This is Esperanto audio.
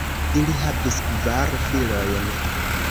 Ili havis kvar filojn.